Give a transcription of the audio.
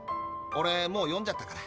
オレもう読んじゃったから。